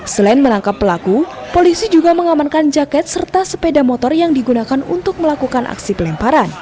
selain menangkap pelaku polisi juga mengamankan jaket serta sepeda motor yang digunakan untuk melakukan aksi pelemparan